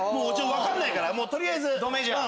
分かんないから取りあえず。